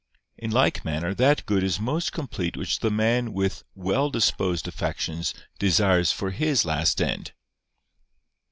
In like manner that good is most complete which the man with well disposed affections desires for his last end.